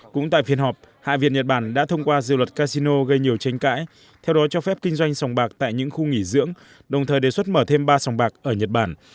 cũng tại phiên họp hạ viện nhật bản đã thông qua dự luật casino gây nhiều tranh cãi theo đó cho phép kinh doanh sòng bạc tại những khu nghỉ dưỡng đồng thời đề xuất mở thêm ba sòng bạc ở nhật bản